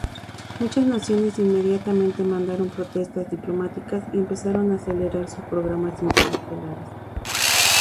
Muchas naciones inmediatamente mandaron protestas diplomáticas y empezaron a acelerar sus programas interestelares.